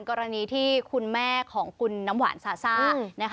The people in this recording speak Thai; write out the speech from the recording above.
กรณีที่คุณแม่ของคุณน้ำหวานซาซ่านะคะ